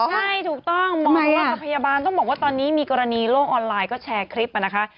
ใช่ถูกต้องหมอธกับพยาบาลต้องบอกว่าตอนนี้มีกรณีโลกออนไลน์ก็แชร์คลิปนะคะ